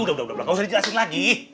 udah gak usah dijelasin lagi